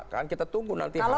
kan kita tunggu nanti hasil mk